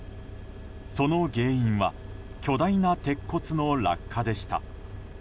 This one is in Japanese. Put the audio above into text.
その原因は巨大な鉄骨の落下でした。